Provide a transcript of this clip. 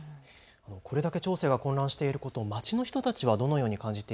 これだけ町政が混乱していることを町の人たちはどのように感じて